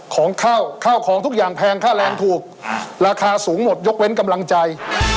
ของข้าวข้าวของทุกอย่างแพงค่าแรงถูกราคาสูงหมดยกเว้นกำลังใจ